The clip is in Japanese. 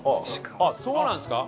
あっそうなんですか？